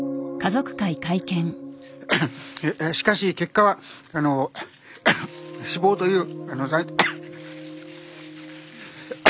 しかし結果は死亡という。